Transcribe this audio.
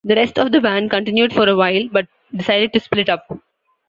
The rest of the band continued for a while but decided to split up.